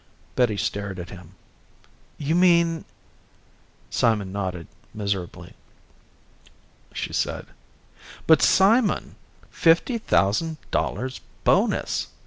Betty stared at him. "You mean " Simon nodded, miserably. She said, "But Simon. Fifty thousand dollars bonus.